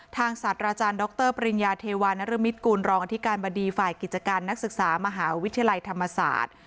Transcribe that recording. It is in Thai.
ศาสตราจารย์ดรปริญญาเทวานรมิตกุลรองอธิการบดีฝ่ายกิจการนักศึกษามหาวิทยาลัยธรรมศาสตร์